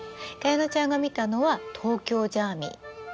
加弥乃ちゃんが見たのは東京ジャーミイ。